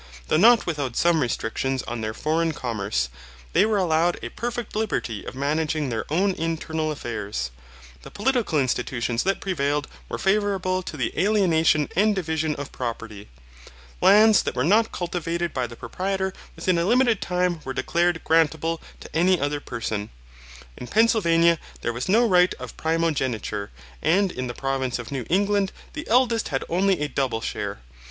Though not without some restrictions on their foreign commerce, they were allowed a perfect liberty of managing their own internal affairs. The political institutions that prevailed were favourable to the alienation and division of property. Lands that were not cultivated by the proprietor within a limited time were declared grantable to any other person. In Pennsylvania there was no right of primogeniture, and in the provinces of New England the eldest had only a double share.